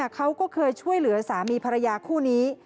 เขาก็เคยช่วยเหลือสามีภรรยาคู่นี้